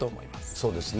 そうですね。